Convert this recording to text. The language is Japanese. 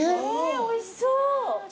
おいしそう。